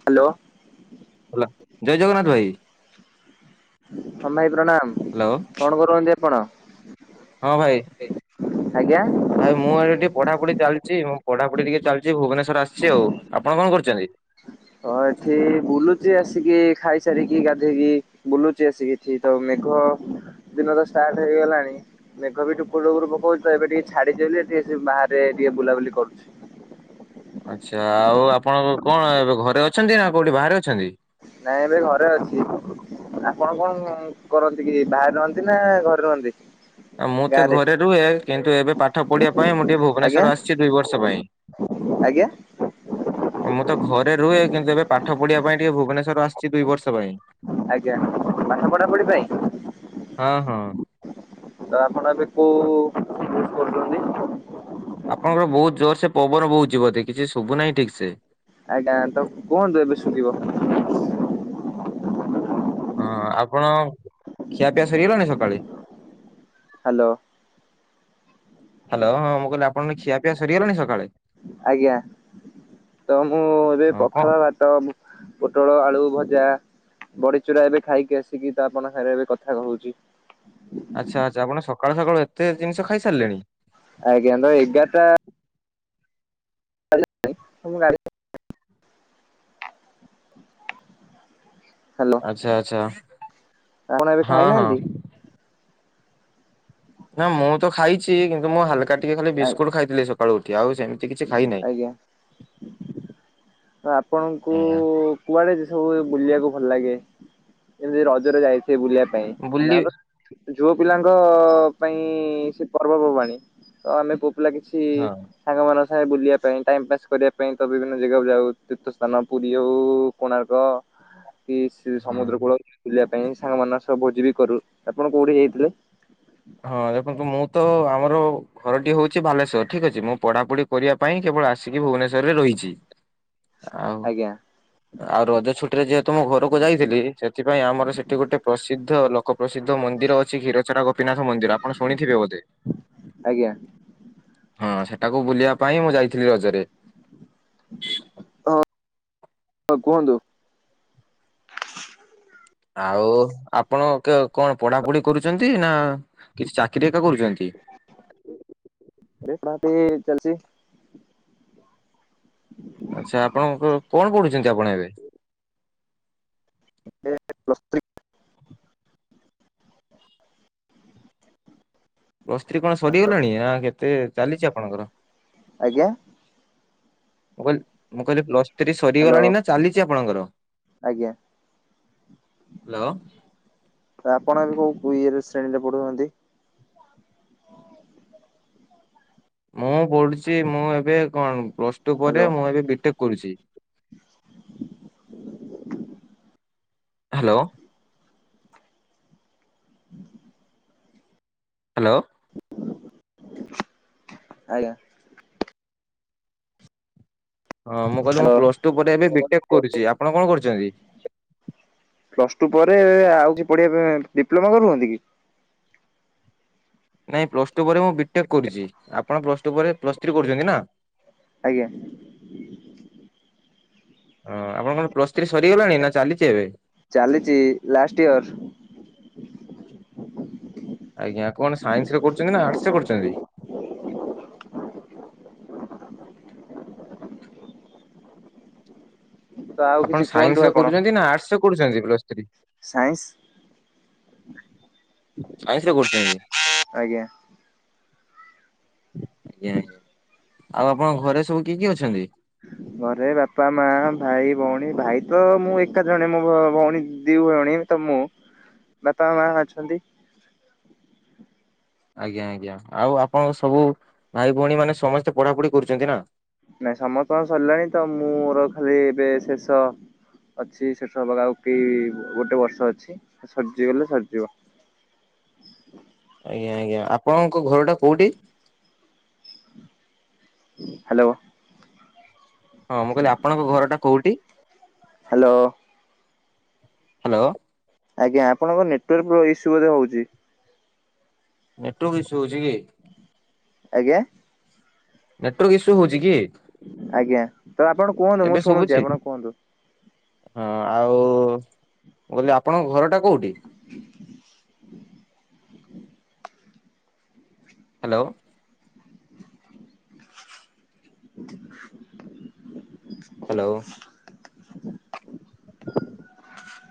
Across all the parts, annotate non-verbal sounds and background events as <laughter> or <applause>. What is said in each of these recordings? Hello. Hello ଜୟ ଜଗନ୍ନାଥ ଭାଇ। ହଁ ଭାଇ ପ୍ରଣାମ। ହାଲୋ। କଣ କରନ୍ତି ଆପଣ? ହଁ ଭାଇ ଆଜ୍ଞା ଭାଇ ମୁଁ ଆ ଟିକେ ପଢାପଢି ଚାଲିଛି, ମୁଁ ପଢ଼ାପଢି ଟିକେ ଚାଲିଛି ଭୁବନେଶ୍ୱର ଆସିଛି, ଆଉ ଆପଣ କରୁଛନ୍ତି? ହଁ ଏଠି ବୁଲୁଚି ଆସିକି ଖାଇସାରିକି ଗାଧେଇକି ବୁଲୁଚି ଆସିକି କିିଛି ତ ମେଘ ଦିନ ତ ଷ୍ଟାର୍ଟ ହେଇଗଲାଣି। ମେଘ ବି ଟୁପୁର୍ ଟୁପୁର୍ ପକଉଛି ଏବେ ଟିକେ ଛାଡିଛି ବୋଲି ଏଠି ଆସି ବାହାରେ ଟିକେ ବୁଲାବୁଲି କରୁଛି। ଆଚ୍ଛା ଆଉ ଆପଣଙ୍କ କଣ ଏବେ ଘରେ ଅଛନ୍ତି ନା କୋଉଠି ବାହାରେ ଅଛନ୍ତି? ନାଇଁ ଏବେ ଘରେ ଅଛି। ଆପଣ କଣ କରନ୍ତି କି ବାହାରେ ରହନ୍ତି ନା ଘରେ ରହନ୍ତି? ମୁଁ ତ ଘରେ ରୁହେ କିନ୍ତୁ ଏବେ ପାଠ ପଢିବା ପାଇଁ ମୁଁ ଟିକେ ଆଜ୍ଞା ଭୁବନେଶ୍ଵର ଆସିଛି ଦୁଇ ବର୍ଷ ପାଇଁ। ଆଜ୍ଞା? ମୁଁ ତ ଘରେ ରୁହେ କିନ୍ତୁ ଏବେ ପାଠ ପଢିବା ପାଇଁ ଟିକେ ଭୁବନେଶ୍ୱର ଆସିଛି ଦୁଇ ବର୍ଷ ପାଇଁ। ଆଜ୍ଞା ପାଠ ପଢାପଢି ପାଇଁ? ହଁ, ହଁ। ତ ଆପଣ ଏବେ କୋଉ ଡ଼ିଉଟି କରୁଛନ୍ତି? ଆପଣଙ୍କର ବହୁତ ଜୋରସେ ପବନ ବହୁଚି ବୋଧେ କିଛି ଶୁଭୁ ନାହିଁ ଠିକ୍ ସେ। ଆଜ୍ଞା ତ କୁହନ୍ତୁ ଏବେ ଶୁଭିବ। ହଁ ଆପଣ ଖିଆପିଆ ସରିଗଲାଣି ସକାଳେ? ହାଲୋ। ହାଲୋ ହଁ ମୁଁ କିହିଲି ଆପଣଙ୍କ ଖିଆପିଆ ସରିଗଲାଣି ସକାଳେ? ଆଜ୍ଞା ତ ମୁଁ ଏବେ ହଁ କଣ ପଖାଳ ଭା ତ ପୋଟଳ ଆଳୁ ଭଜା ବଡି ଚୁରା ଏବେ ଖାଇକି ଆସିକି ତ ଆପଣଙ୍କ ସାଙ୍ଗରେ ଏବେ କଥା ହଉଛି। ଆଚ୍ଛା ଆଚ୍ଛା ଆପଣ ସକାଳୁ ସକାଳୁ ଏତେ ଜିନିଷ ଖାଇସାରିଲେଣି। ଆଜ୍ଞ ତ ଏଗାରଟା ମୁ ଗାଁ ରେ ଥିବି। <inaudible> ହାଲୋ। ଆଚ୍ଛା, ଆଚ୍ଛା। ଆପଣ ଏବେ ହଁ ହଁ। ଖାଇନାହାନ୍ତି? ନା ମୁଁ ତ ଖାଇଛି କିନ୍ତୁ ମୁଁ ହାଲକା ଟିକେ ଖାଲି ବିସ୍କୁଟ ଖାଇଥିଲି ସକାଳୁ ଉଠି ଆଉ କିଛି ହେଇନି। ଆଜ୍ଞା। ତ ଆପଣଙ୍କୁ ଆଜ୍ଞା କୁଆଡେ ଯେ ସବୁ ବୁଲିବାକୁ ଭଲ ଲାଗେ? ଏମିତି ରଜରେ ଯାଇଥିଲି ବୁଲିବା ପାଇଁ ବୁଲି <unintelligible> ଯଉ ପିଲାଙ୍କ ପାଇଁ ସେ ପର୍ବପର୍ବାଣୀ ତ ଆମେ ପୁଅ ପିଲା କିଛି ଇଁ ହଁ ସାଙ୍ଗମାନସ ଥାଏ ବୁଲିବା ପାଇଁ ଟାଇମ୍ ପାସ୍ କରିବା ପାଇଁ ତ ବିଭିନ୍ନ ଜାଗାକୁ ଯାଉ ତୀର୍ଥସ୍ଥାନ ପୁରୀ ହୋଉ କୋଣାର୍କ କି ସି ହଁ। ସମୁଦ୍ର କୂଳ ବୁଲିବା ପାଇଁ ସାଙ୍ଗମାନଙ୍କ ସହ ଭୋଜି ବି କରୁ, ଆପଣ କୋଉଠି ଯାଇଥିଲେ? ହଁ ଦେଖନ୍ତୁ ମୁଁ ତ ଆମର ଘରଟି ହଉଚି ବାଲେଶ୍ଵର ଠିକ୍ ଅଛି, ମୁଁ ପଢାପଢି କରିବା ପାଇଁ କେବଳ ଆସିକି ଭୁବନେଶ୍ୱର ରେ ରହିଛି। ଆଉ ଜ୍ଞା ଆଉ ରଜ ଛୁଟିରେ ଯେହେତୁ ମୁଁ ଘରକୁ ଯାଇଥିଲି ସେଥିପାଇଁ ଆମର ସେଠି ଗୋଟେ ପ୍ରସିଦ୍ଧ ଲ ଏକ ପ୍ରସିଦ୍ଧ ମନ୍ଦିର ଅଛି ଖୀରଚୋରା ଗୋପୀନାଥ ମନ୍ଦିର ଆପଣ ଶୁଣିଥିବେ ବୋଧେ? ଆଜ୍ଞା ହଁ ସେଠାକୁ ବୁଲିବା ପାଇଁ ମୁଁ ଯାଇଥିଲି ରଜରେ। ହଁ ହ କୁହନ୍ତୁ। ଆଉ ଆପଣ କ କଣ ପଢାପଢି କରୁଛନ୍ତି ନା କିଛି ଚାକିରି ଏବେ କରୁଛନ୍ତି? <unintelligible> ଚାଲଚି। ଆଚ୍ଛା ଆପଣଙ୍କ କଣ ପଢୁଛନ୍ତି ଆପଣ ଏବେ? ଏ ପ୍ଲସ ଥ୍ରୀ ପ୍ଲସ୍ ଥ୍ରୀ କଣ ସରିଗଲାଣି ଆ କେତେ ଚାଲିଛି ଆପଣଙ୍କର? ଆଜ୍ଞା। ମୁଁ କହିଲି ମୁଁ କହିଲି ପ୍ଲସ ଥ୍ରୀ ହ୍ୟାଲୋ ସରିଗଲାଣି ନା ଚାଲିଛି ଆପଣଙ୍କର ଆଜ୍ଞା ହ୍ୟାଲୋ ଆପଣ ବି କୋଉ ଇଏରେ ଶ୍ରେଣୀରେ ପଢୁଛନ୍ତି? ମୁଁ ପଢୁଛି ମୁଁ ଏବେ କଣ ପ୍ଲସ ଟୁ ପରେ ହ୍ୟାଲୋ ମୁଁ ଏବେ ବି ଟେକ୍ କରୁଛି। ହ୍ୟାଲୋ ହୁଁ <inaudible> ହ୍ୟାଲୋ ଆଜ୍ଞା ହଁ ମୁଁ କହିଲି ମୁଁ ହ୍ୟାଲୋ ପ୍ଲସ ଟୁ ପରେ ଏବେ ବି ଟେକ୍ କରୁଛି ଆପଣ କଣ କରୁଛନ୍ତି? ପ୍ଲସ ଟୁ ପରେ ଆଉ କିଛି ପଢିବା ପାଇଁ ଡିପ୍ଲୋମା କରୁନ୍ତି କି? ନାଇଁ ପ୍ଲସ ଟୁ ପରେ ମୁଁ ବିଟେକ୍ କରୁଛି ଆପଣ ପ୍ଲସ୍ ଟୁ ପରେ ପ୍ଲସ୍ ଥ୍ରୀ କରୁଛନ୍ତି ନା? ଆଜ୍ଞା। ହଁ ଆପଣଙ୍କଣ ପ୍ଲସ୍ ଥ୍ରୀ ସରିଗଲାଣି ନା ଚାଲିଛି ଏବେ? ଚାଲିଛି ଲାଷ୍ଟ ଇୟର। ଆଜ୍ଞା କଣ ସାଇନ୍ସ ରେ କରୁଛନ୍ତି ନା ଆର୍ଟସ ରେ କରୁଛନ୍ତି? ତ ଆଉ କିଛି ଆପଣ କୁହନ୍ତୁ ସାଇନ୍ସ ରେ ଆପଣ କରୁଛନ୍ତି ନା ଆର୍ଟସ ରେ କରୁଛନ୍ତି ପ୍ଲସ୍ ଥ୍ରୀ? ସାଇନ୍ସ ସାଇନ୍ସରେ କରୁଛନ୍ତି। ଆଜ୍ଞା। ଆଜ୍ଞା ଆଜ୍ଞା ଆଉ ଆପଣଙ୍କ ଘରେ ସବୁ କିଏ କିଏ ଅଛନ୍ତି? ଘରେ ବାପା ମା ଭାଇ ଭଉଣୀ ଭାଇ ତ ମୁଁ ଏକା ଜଣେ ମୋ ଭଉଣୀ ଦି ଭଉଣୀ। ତ ମୁଁ ବାପା ମା ଅଛନ୍ତି। ଆଜ୍ଞା ଆଜ୍ଞା ଆଉ ଆପଣଙ୍କ ସବୁ ଭାଇ ଭଉଣୀ ମାନେ ସମସ୍ତେ ପଢାପଢି କରୁଛନ୍ତି ନା। ନାଇଁ ସମସ୍ତଙ୍କ ସରିଲାଣି ତ ମୋର ଖାଲି ଏବେ ଶେଷ ଅଛି <unintelligible> ଗୋଟେ ବର୍ଷ ଅଛି। ସରିଜିଗଲେ ସରିଯିବ। ଆଜ୍ଞା ଆଜ୍ଞା ଆପଣଙ୍କ ଘରଟା କୋଉଠି? ହ୍ୟାଲୋ ହଁ ମୁଁ କହିଲି ଆପଣଙ୍କ ଘର ଟା କୋଉଠି ହ୍ୟାଲୋ ହ୍ୟାଲୋ? ଆଜ୍ଞା ଆପଣଙ୍କ ନେଟୱାର୍କ ପ୍ର ଇସୁ ବୋଧେ ହଉଛି? ନେଟୱାର୍କ ଇସ୍ୟ ହଉଛି କି? ଆଜ୍ଞା। ନେଟୱାର୍କ ଇସୁ ହଉଛି କି? ଆଜ୍ଞା ତ ଆପଣ କୁହନ୍ତୁ ମୁଁ ଏବେ ଶୁଭୁଛି? ଶୁଣୁଛି ଆପଣ କୁହନ୍ତୁ? ହଁ ଆଉ ମୁଁ କହିଲି ଆପଣଙ୍କ ଘରଟା କୋଉଠି? ହ୍ୟାଲୋ। <inaudible> ହାଲୋ।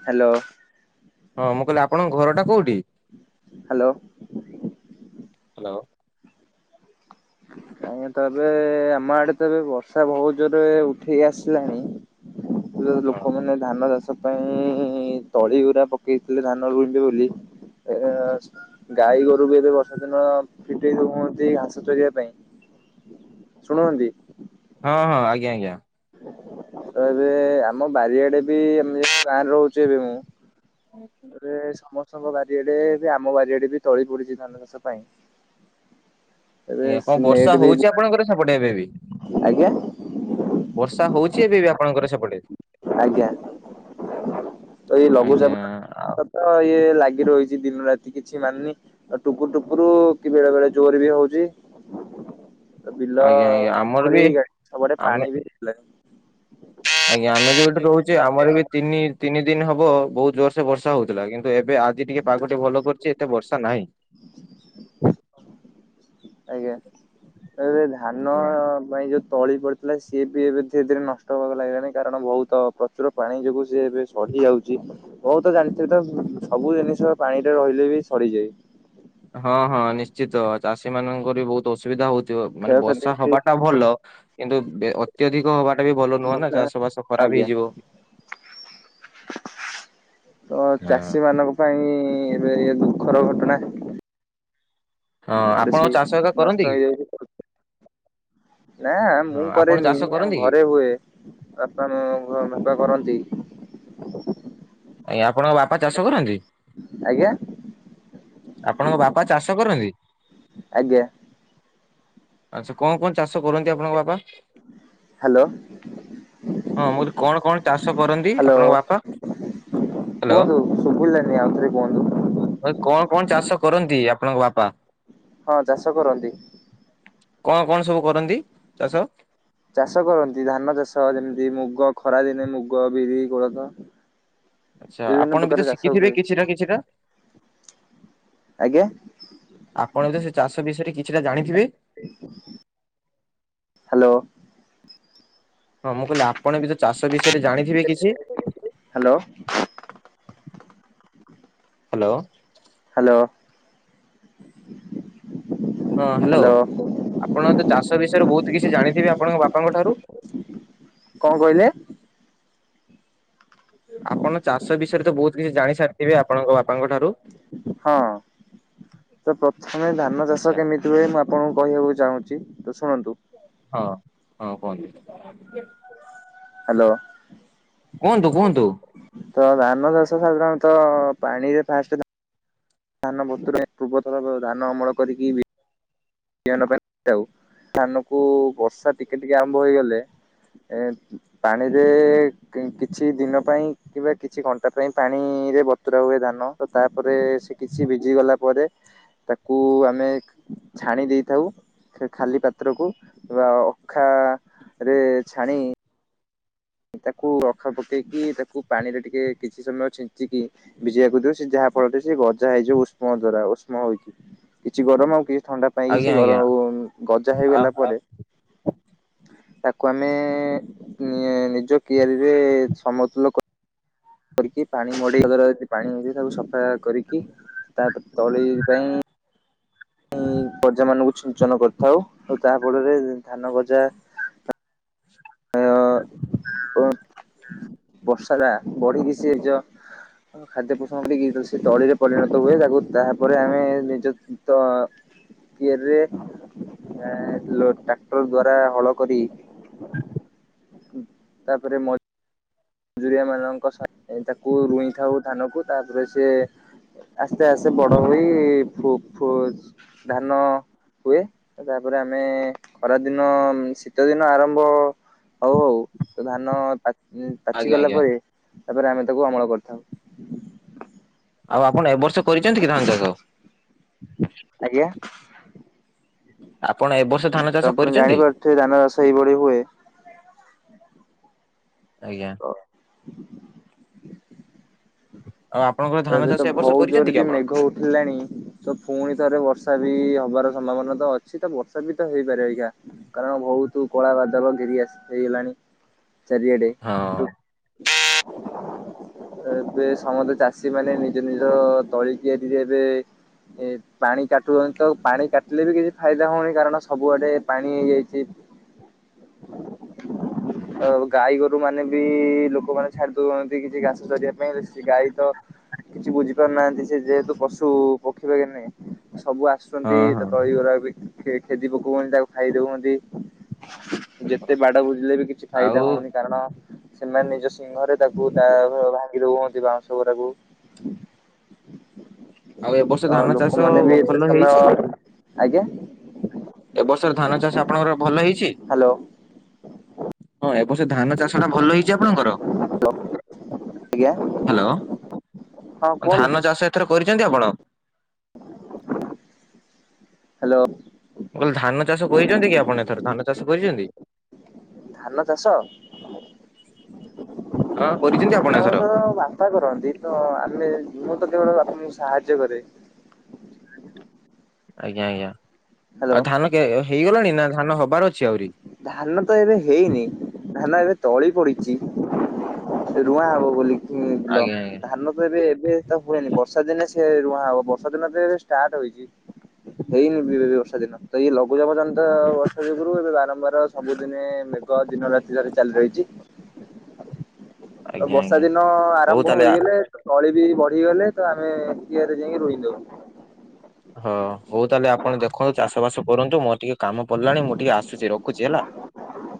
ହାଲୋ। ହଁ ମୁଁ କହିଲି ଆପଣଙ୍କ ଘରଟା କୋଉଠି? ହାଲୋ। ହାଲୋ। ଆଜ୍ଞା ତ ଏବେ ଆମ ଆଡେ ତ ଏବେ ବର୍ଷା ବହୁତ୍ ଜୋରେ ଉଠେଇ ଆସିଲାଣି। ଯୋଉ ହଁ। ଲୋକମାନେ ଧାନ ଚାଷ ତା ପାଇଁ ତଳି ଗୁରା ପକେଇଥିଲେ ଧାନ ରୋଇବେ ବୋଲି ଏ ଗାଈ ଗୋରୁ ବି ଏବେ ବର୍ଷା ଦିନ ଫିଟେଇ ଦଉଛନ୍ତି ଘାସ ଚରିିବାକୁ। ଶୁଣୁଛନ୍ତି। ହଁ ହଁ ଆଜ୍ଞା ଆଜ୍ଞା। ତ ଏବେ ଆମ ବାରିଆଡେ ବି ମ ଗାଁରେ ରହୁଛି ଏବେ ମୁଁ। ଏ ସମସ୍ତଙ୍କ ବାରି ଆଡେ ବି ଆମ ବାରି ଆଡେ ବି ତଳି ପଡିଛି ଧାନ ଚାଷ ପାଇଁ। ଏବେ ଏବଂ ନେଟ ବର୍ଷା ବି ହଉଛି ଆପଣଙ୍କର ସେପଟେ ଏବେବି? ଆଜ୍ଞା। ବର୍ଷା ହଉଛି ଏବେ ବି ଆପଣଙ୍କର ସେପଟେ? ଆଜ୍ଞା ଏଇ ଆଜ୍ଞା ଆ ଲଘୁଚାପଟା ତ ଇଏ ଲାଗି ରହିଛି ଦିନ ରାତି କିଛି ମାନିନି ଆଉ ଟୁପୁରୁ ଟୁପୁରୁ କି ବେଳେ ବେଳେ ଜୋରେ ବି ହଉଛି। ବିଲ ଆଜ୍ଞା ଆଜ୍ଞା ଆମର ବି କରି ଗା ସବୁଡେ ଆମେ ପାଣି ବି ହେଲାଣି। ଆଜ୍ଞା ଆମେ ଯୋଉଠି ରହୁଛେ ଆମର ବି ତିନି ତିନି ଦିନ ହବ ବହୁତ ଜୋର ସେ ବର୍ଷା ହଉଥିଲା କିନ୍ତୁ ଏବେ ଆଜି ଟିକେ ପାଗ ଟିକେ ଭଲ କରିଛି ଏତେ ବର୍ଷା ନାହିଁ। ଆଜ୍ଞା ଏ ଧାନ ଆଜ୍ଞା। ପାଇଁ ଯୋଉ ତଳି ପଡି ଥିଲା ସିଏ ବି ଏବେ ଧୀରେ ଧୀରେ ନଷ୍ଟ ହବାକୁ ଲାଗିଲାଣି କାରଣ ବହୁତ ପ୍ରଚୁର ପାଣି ଯୋଗୁ ସି ଏବେ ସଢି ଯାଉଛି। ହଉ ତ ଜାଣିଥିଲି ତ ସବୁ ଜିନିଷ ପାଣିରେ ରହିଲେ ବି ସଡିଯାଏ। ହଁ ହଁ ନିଶ୍ଚିତ ଚାଷୀ ମାନଙ୍କ ବି ବହୁତ ଅସୁବିଧା ହଉଥିବ ମାନେ କ୍ଷୟକ୍ଷତି ବର୍ଷା ବି ହବା ଟା ଭଲ କିନ୍ତୁ ଅତ୍ୟଧିକ ହବାଟା ବି ଭଲ ନୁହଁ ନା ବର୍ଷା ଚାଷ ବାଷ ଖରାପ ଆଜ୍ଞା। ହେଇଯିବ। ତ ହଁ ଚାଷୀ ମାନଙ୍କ ପାଇଁ ଏବେ ଇଏ ଦୁଃଖର ଘଟଣା। ହଁ ଆପଣ ବେଶି ଚାଷ ଏକା କରନ୍ତି ନଷ୍ଟ କି? ହେଇଯାଇଛି ତ ନା ହଁ ମୁଁ ଆପଣ କରେନି ଚାଷ ଆମ କରନ୍ତି କି? ଘରେ ହୁଏ। ବାପା ବାପା କରନ୍ତି। ଆଜ୍ଞା ଆପଣଙ୍କ ବାପା ଚାଷ କରନ୍ତି? ଆଜ୍ଞା। ଆପଣଙ୍କ ବାପା ଚାଷ କରନ୍ତି? ଆଜ୍ଞା। ଆଚ୍ଛା କଣ କଣ ଚାଷ କରନ୍ତି ଆପଣଙ୍କ ବାପା? ହ୍ୟାଲୋ। ହଁ ମୁଁ କହିଲି କଣ କଣ ଚାଷ କରନ୍ତି ହ୍ୟାଲୋ ଆପଣଙ୍କ ବାପା? ହ୍ୟାଲୋ କୁହନ୍ତୁ ଶୁବିଲାନି ଆଉଥରେ କୁହନ୍ତୁ। କଣ କଣ ଚାଷ କରନ୍ତି ଆପଣଙ୍କ ବାପା? ହଁ ଚାଷ କରନ୍ତି। କଣ କଣ ସବୁ କରନ୍ତି ଚାଷ? ଚାଷ କରନ୍ତି ଧାନ ଚାଷ ଯେମିତି ମୁଗ ଖରା ଦିନେ ମୁଗ ବିରି କୋଳଥ ଆଛା ବିଭିନ୍ନ ଆପଣ ବି ପ୍ରକାର ତ ଚାଷ ଶିଖିଥିବେ ହୁଏ କିଛିଟା କିଛିଟା? ଆଜ୍ଞା ଆପଣ ବି ତ ସେ ଚାଷ ବିଷୟରେ କିଛିଟା ଜାଣିଥିବେ? ହ୍ୟାଲୋ। ହଁ ମୁଁ କହିଲି ଆପଣ ବି ତ ଚାଷ ବିଷୟରେ ଜାଣିଥିବେ କିଛି? Hello hello. ହ୍ୟାଲୋ। ହଁ ହ୍ୟାଲୋ ଆପଣ ତ ଚାଷ ବିଷୟରେ ବହୁତୁ କିଛି ଜାଣିଥିବେ ଆପଣଙ୍କ ବାପାଙ୍କ ଠାରୁ? କଣ କହିଲେ? ଆପଣ ଚାଷ ବିଷୟରେ ତ ବହୁତ କିଛି ଜାଣି ସାରିଥିବେ ଆପଣଙ୍କ ବାପାଙ୍କ ଠାରୁ? ହଁ ତ ପ୍ରଥମେ ଧାନ ଚାଷ ଆଚ୍ଛା କେମିତି ହୁଏ ମୁଁ ଆପଣଙ୍କୁ କହିବାକୁ ଚାହୁଁଛି ତ ଶୁଣନ୍ତୁ। ହଁ ହଁ କୁହନ୍ତୁ। ହ୍ୟାଲୋ କୁହନ୍ତୁ କୁହନ୍ତୁ। ତ ଧାନ ଚାଷ ସାଧାରଣତଃ ପାଣିରେ ଫାଷ୍ଟ ଧା ଧାନ ବତୁ ପୂର୍ବ ଥର ଧାନ ଅମଳ କରିକି ବି ବିହନ ପାଇଁ ହଉ ଧାନ କୁ ବର୍ଷା ଟିକେ ଟିକେ ଆରମ୍ଭ ହେଇଗଲେ ଏ ପାଣିରେ କିଛି ଦିନ ପାଇଁ କିମ୍ବା କିଛି ଘଣ୍ଟା ପାଇଁ ପାଣି ରେ ବତୁରା ହୁଏ ଧାନ। ତ ତାପରେ ସେ କିଛି ଭିଜିଗଲା ପରେ ତାକୁ ଆମେ ଛାଣି ଦେଇଥାଉ। ଖା ଖାଲି ପାତ୍ରକୁ ବା ଅଖାରେ ଛାଣି ତାକୁ ଅଖା ପକେଇକି ତାକୁ ପାଣିରେ ଟିକେ କିଛି ସମୟ ଛିଞ୍ଚିକି ଭିଜେଇିବାକୁ ଦଉ ସେ ଯାହା ଫଳରେ ସେ ଗଜା ହେଇଯିବ ଉଷ୍ମ ଦ୍ଵାରା ଉଷ୍ମ ହେଇକି। କିଛି ଗରମ ଆଉ କିଛି ଥଣ୍ଡା ପାଇଁକି ଆଜ୍ଞା ସେ ଆଜ୍ଞା ଗରମ ଆଉ ଗଜା ଆ ହେଇଗଲା ପରେ ତାକୁ ଆମେ ଏ ନି ନି ଯୁ କିଆରିରେ ସମତୁଲ କ କରିକି ପାଣି ମଡେଇବା ଦ୍ଵାରା ପାଣିକି ତାକୁ ସଫା କରିକି ତା ତଳି ପାଇଁ ଇଁ ଗଜା ମାନଙ୍କୁ ଛିଞ୍ଚନ କରିଥାଉ ଆଉ ତାହା ଫଳରେ ଧାନ ଗଜା ଓ ବର୍ଷା ରା ବଢିକି ସେ ଯ ଖାଦ୍ୟ ପୋଷଣ ଦେଇକି ସେ ତଳିରେ ପରିଣତ ହୁଏ। ତାକୁ ତାହାପରେ ଆମେ ନିଜ ତ କିଆରିରେ ଏ ଲୋ ଟ୍ରାକ୍ଟର ଦ୍ଵାରା ହଳ କରି ତାପରେ ମ ମଜୁରିଆ ମାନଙ୍କ ସା ତାକୁ ରୁଇ ଥାଉ ଧାନକୁ ତାପରେ ସେ ଆସ୍ତେ ଆସ୍ତେ ବଡ ହଇ ଫୁ ଫୁ ଧାନ ହୁଏ ତାପରେ ଆମେ ଖରାଦିନ ଶୀତ ଦିନ ଆରମ୍ଭ ହଉ ହଉ ତ ଧାନ ପା ଚି ଆଜ୍ଞା ଗଲା ଆଜ୍ଞା ପରେ ତାପରେ ଆମେ ତାକୁ ଅମଳ କରିଥାଉ। ଆଉ ଆପଣ ଏବ ବର୍ଷ କରିଛନ୍ତି କି ଧାନ ଚାଷ? ଆଜ୍ଞା। ଆପଣ ଏବ ବର୍ଷ ଧାନ ଚାଷ କରିଛନ୍ତି? ସେ ଧାନ ଚାଷ ଏଇଭଳି ହୁଏ। ଆଜ୍ଞା। ହ ଆଉ ଆପଣଙ୍କ ଏବେ ତ ଭଉ ଜୋରେ ବି ମେଘ ଉଠିଲାଣି। ତ ପୁଣି ଥରେ ବର୍ଷା ବି ହବାର ସମ୍ଭାବନା ତ ଅଛି ତ ବର୍ଷା ବି ତ ହେଇପାରେ ଆଜ୍ଞା। କାରଣ ବହୁତ କଳା ବାଦଲ ଘେରି ଆସି ହେଇଗଲାଣି ଚାରିଆଡେ। ହଁ। ତ ଏବେ ସମସ୍ତେ ଚା ଚାଷୀ ମାନେ ନିଜ ନିଜ ତଳି ତିଆରିରେ ଏବେ ଏ ପାଣି କାଟୁ ଅନ୍ତୀଅ ପାଣି କାଟିଲେ ବି କିଛି ଫାଇଦା ହଉନି କାରଣ ସବୁଆଡେ ପାଣି ହେଇଯାଇଛି। <unintelligible> ଆଉ ଗାଈ ଗୋରୁ ମାନେ ବି ଲୋକମାନେ ଛାଡି ଦଉଛନ୍ତି କିଛି ଘା <unintelligible> ପାଇଁ ବେସି ଗାଈ ତ କିଛି ବୁଝି ପାରୁନାହାନ୍ତି ସେ ଯେହେତୁ ପଶୁ ପକ୍ଷୀ ଭଳିଆ ନାଇ ସବୁ ଆସୁଛନ୍ତି ହଁ ହଁ ତା ତଳି ଗୁଡ଼ା ବି ଖେ ଖେଦି ପକଉଛନ୍ତି ତାକୁ ଖାଇଦଉନ୍ତି ଯେତେ ବାଡବୁଜିଲେ ବି କିଛି ଆଉ ଫାଇଦା ହଉନି କାରଣ ସେମାନେ ନିଜ ସିଂହରେ ତାକୁ ତା ଭା ଭାଙ୍ଗି ଦଉହନ୍ତି ବାଉଁଶ ଗୁରାକୁ। ଆଉ ଏ ବର୍ଷ ତ ଧାନ ଚାଷ ଲୋକମାନେ ବି ଭଲ ଏତେ ସମୟ ହେଇଛି? ଆଜ୍ଞା। ଏବ ବର୍ଷର ଧାନ ଚାଷ ଆପଣଙ୍କର ଭଲ ହେଇଛି। ହ୍ୟାଲୋ ହଁ ଏବର୍ଷ ସେ ଧାନ ଚାଷ ଟା ଭଲ ହେଇଛି ଆପଣଙ୍କର ଆଜ୍ଞା ହଁ ହ୍ୟାଲୋଆଉ କୁହନ୍ତୁ ଧାନ ଚାଷ ଏଥର କରିଛନ୍ତି ଆପଣ? ହ୍ୟାଲୋ ମୁଁ କହିଲି ଧାନ ଚାଷ କରିଛନ୍ତି କି ଆପଣ ଏଥର ଧାନ ଚାଷ କରିଛନ୍ତି? ଧାନ ଚାଷ ହଁ ହଁ କରିଛନ୍ତି ଆପ ହଁ ହଁ ମୋ ବାପା କରନ୍ତି ତ ଆମେ ମୁଁ ତ କେତେବେଳ ବାପଙ୍କୁ ସାହାଯ୍ୟ କରେ ଆଜ୍ଞା ଆଜ୍ଞା ହ୍ୟାଲୋ ଆଉ ଧାନ କେ -ହେଇଗଲାଣି ନା ଧାନ ହବାର ଅଛି ଆହୁରି। ଧାନ ତ ଏବେ ହେଇନି ଧାନ ଏବେ ତଳି ପଡିଛି। ରୁଆ ହବ ବୋଲି ଉ ବିଲ ଆଜ୍ଞା ଆଜ୍ଞା ଧାନ ଏବେ ଏବେ ତ ହୁଏନି ବର୍ଷା ଦିନେ ସେ ରୁଆ ହବ ବର୍ଷା ଦିନ ତ ଏବେ ଷ୍ଟାର୍ଟ ହେଇଛି। ହେଇନି ଏବେବି ବର୍ଷା ଦିନ ତ ଇଏ ଲଘୁଚାପ ଜନିତ ବର୍ଷା ଯୋଗୁଁ- <unintelligible> ବାରମ୍ବାର ସବୁଦିନେ ମେଘ ଦିନ ରାତି ଧରି ଚାଲି ରହିଛି। ଆଉ ଆଜ୍ଞା ବର୍ଷା ଆଜ୍ଞା ଦିନ ହଉ ଆରମ୍ଭ ତାହେଲେ ହେଇଗଲେ ତ ତଳି ବି ବଢିଗଲେ ତ ଆମେ କିଆରି ରେ ଯାଇକି ରୋଇ ଦଉ ହଁ ହଉ ତାହେଲେ ଆପଣ ଦେଖନ୍ତୁ ଚାଷ ବାସ କରନ୍ତୁ ମୋର ଟିକେ କାମ ପଡିଲାଣି ମୁଁ ଟିକେ ଆସୁଛି ରଖୁଛି ହେଲା।